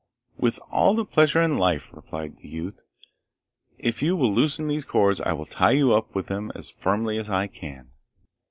'With all the pleasure in life,' replied the youth. 'If you will loosen these cords I will tie you up with them as firmly as I can.